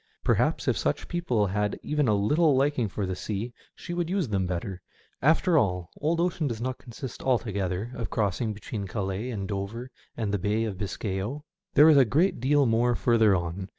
Perhaps if such people had even a little liking for the sea she would use them better. After all, old ocean does not consist altogether of crossing between Calais and Dover and the Bay of Biscay 0. There is a great deal more further on.